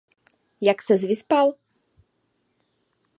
Jak ses vyspal?